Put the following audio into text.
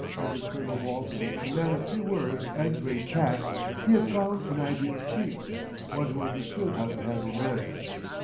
Under Colonel Walton, a man of few words and great tact, he had found an ideal chief, one who understood how to handle men.